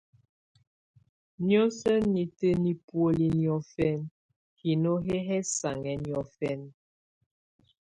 Niǝ́suǝ́ nitǝ́ nɛ buoli niɔfɛna, hino hɛ hɛsanhɛ niɔfɛna.